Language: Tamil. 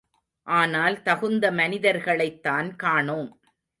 ஆனால் தகுந்த மனிதர்களைத்தான் காணோம்.